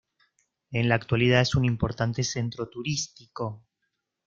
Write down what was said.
En la actualidad, es un importante centro turístico.